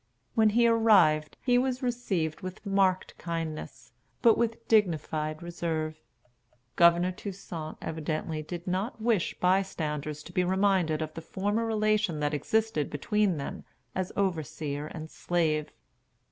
When he arrived, he was received with marked kindness, but with dignified reserve. Governor Toussaint evidently did not wish bystanders to be reminded of the former relation that existed between them as overseer and slave.